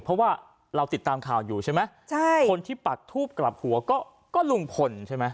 เพราะว่าเราติดตามข่าวอยู่ใช่ไหมใช่คนที่ปักทูบกลับหัวก็ลุงพลใช่ไหม